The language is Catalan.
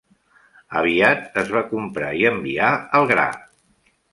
Aviat es va comprar i enviar el gra.